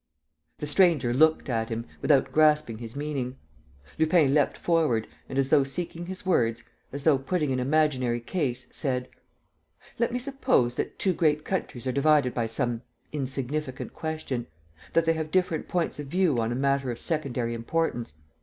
..." The stranger looked at him, without grasping his meaning. Lupin leant forward and, as though seeking his words, as though putting an imaginary case, said: "Let me suppose that two great countries are divided by some insignificant question ... that they have different points of view on a matter of secondary importance